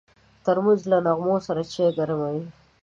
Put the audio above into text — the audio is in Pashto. ترموز له نغمو سره چای ګرموي.